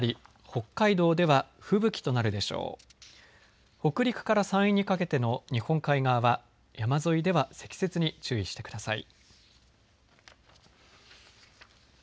北陸から山陰にかけての日本海側は山沿いでは積雪に注意してください。